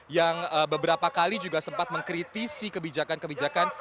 yang beberapa kali juga sempat mengkritisi kebijakan kebijakan